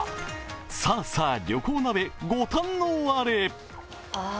さあさあ、旅行鍋、ご堪能あれ！